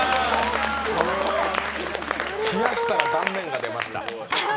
冷やしたら断面が出ました。